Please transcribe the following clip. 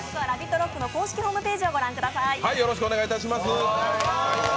ＲＯＣＫの公式ホームページをご覧ください。